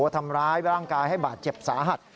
ทำร้ายร่างกายให้บาดเจ็บสาหัส